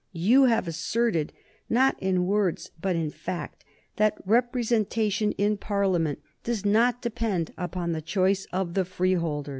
You have asserted, not in words but in fact, that representation in Parliament does not depend upon the choice of the freeholders."